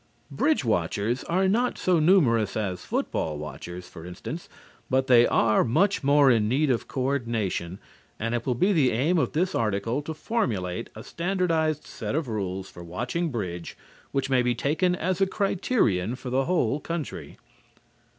Bridge watchers are not so numerous as football watchers, for instance, but they are much more in need of coordination and it will be the aim of this article to formulate a standardized set of rules for watching bridge which may be taken as a criterion for the whole country.